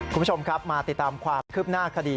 คุณผู้ชมครับมาติดตามความคืบหน้าคดี